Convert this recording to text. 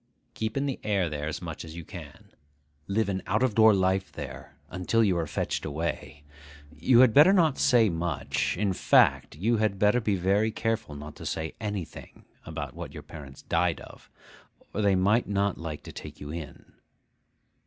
Keep in the air there as much as you can. Live an out of door life there, until you are fetched away. You had better not say much—in fact, you had better be very careful not to say anything—about what your parents died of, or they might not like to take you in.